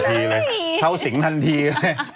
เท่าสิงนั้นทีเลย